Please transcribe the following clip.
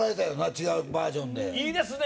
違うバージョンでいいですね